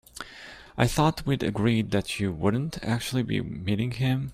I thought we'd agreed that you wouldn't actually be meeting him?